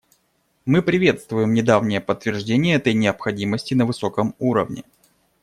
Мы приветствуем недавнее подтверждение этой необходимости на высоком уровне.